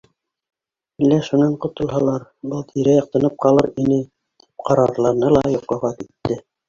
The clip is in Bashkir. Әллә шунан ҡотолһалар, был тирә-яҡ тынып ҡалыр ине, тип ҡарарланы ла йоҡоға китте.